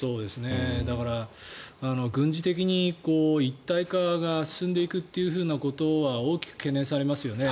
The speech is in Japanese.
だから、軍事的に一体化が進んでいくということは大きく懸念されますよね。